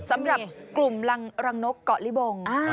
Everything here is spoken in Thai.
สำหรับกลุ่มรังนกเกาะลิบง